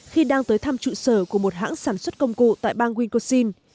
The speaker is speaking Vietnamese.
khi đang tới thăm trụ sở của một hãng sản xuất công cụ tại bang wiscosin